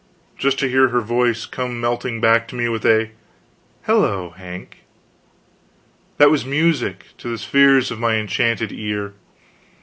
just to hear her dear voice come melting back to me with a "Hello, Hank!" that was music of the spheres to my enchanted ear.